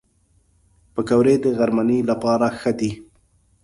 پکورې د غرمنۍ لپاره ښه دي